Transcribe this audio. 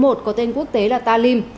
bão số một có tên quốc tế là ta lim